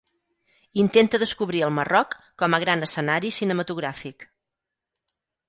Intenta descobrir el Marroc com a gran escenari cinematogràfic.